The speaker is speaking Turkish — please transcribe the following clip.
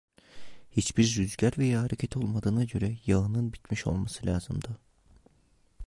Hiçbir rüzgar veya hareket olmadığına göre, yağının bitmiş olması lazımdı.